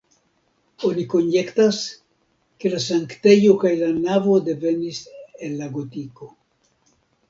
Oni konjektas, ke la sanktejo kaj la navo devenis el la gotiko.